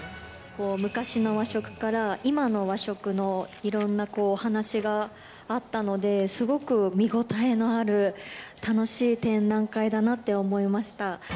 昔の和食から今の和食のいろんな話があったので、すごく見応えのある楽しい展覧会だなって思いました。